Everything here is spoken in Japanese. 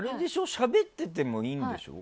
しゃべっててもいいんでしょ。